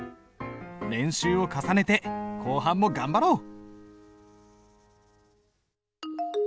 練習を重ねて後半も頑張ろう。